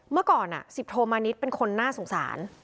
เมื่อก่อน๑๐โทมานิดเป็นคนน่าสงสาร